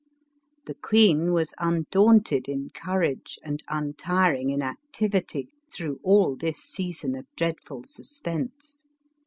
The queen was undaunted in courage and untiring in activity, through all this season of dreadful suspense.